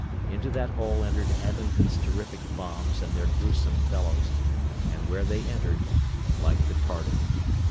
Into that hole entered Adlington's terrific bombs and their gruesome fellows, and where they entered, life departed.